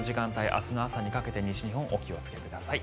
明日の朝にかけて西日本お気をつけください。